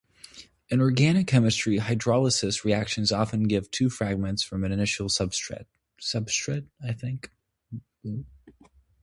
In organic chemistry, hydrolysis reactions often give two fragments from an initial substrate.